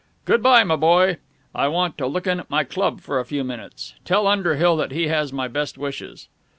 Good bye, my boy. I want to look in at my club for a few minutes. Tell Underhill that he has my best wishes."